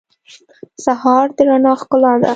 سهار د رڼا ښکلا ده.